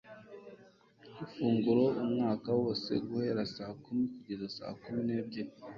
Ifungura umwaka wose guhera saa kumi kugeza saa kumi n'ebyiri